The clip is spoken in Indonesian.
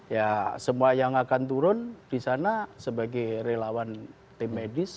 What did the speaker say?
ya semua yang akan turun disana sebagai relawan tim edis